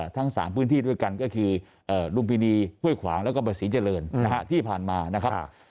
ทั้ง๓พื้นที่ด้วยกันก็คือลุมพินีห้วยขวางแล้วก็ภาษีเจริญที่ผ่านมานะครับ